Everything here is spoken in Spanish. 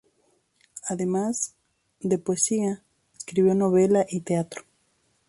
Además, de poesía, escribió novela y teatro.